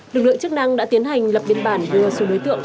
lực lượng chức năng đã tiến hành lập biên bản đưa xuống đối tượng